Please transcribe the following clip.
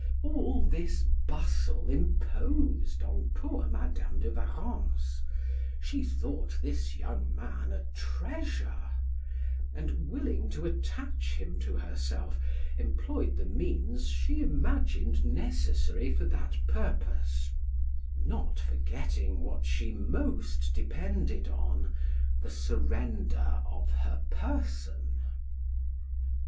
All this bustle imposed on poor Madam de Warrens; she thought this young man a treasure, and, willing to attach him to herself, employed the means she imagined necessary for that purpose, not forgetting what she most depended on, the surrender of her person.